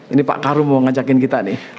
ini pak karu mau ngajakin kita nih